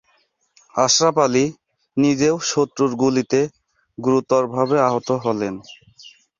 আশরাফ আলী নিজেও শত্রুর গুলিতে গুরুতরভাবে আহত হলেন।